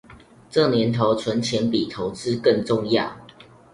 這年頭存錢比投資更重要